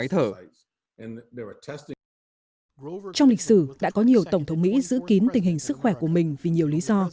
trong lịch sử đã có nhiều tổng thống mỹ giữ kín tình hình sức khỏe của mình vì nhiều lý do